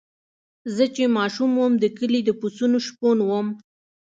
زه چې ماشوم وم د کلي د پسونو شپون وم.